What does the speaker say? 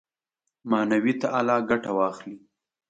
معنوي تعالي ګټه واخلي.